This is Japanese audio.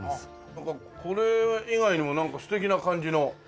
なんかこれ以外にも素敵な感じの。